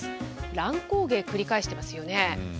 乱高下繰り返していますよね。